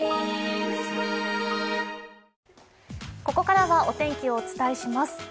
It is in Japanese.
ここからはお天気をお伝えします。